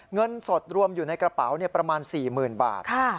เงินสดรวมอยู่ในกระเป๋าประมาณ๔๐๐๐บาท